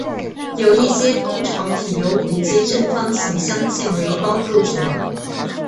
有一些蜂巢体由五阶正方形镶嵌为胞构成